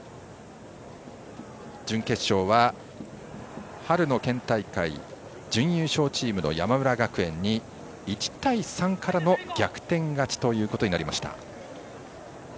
準決勝は春の県大会準優勝チーム山村学園に１対３からの逆転勝ちとなりました。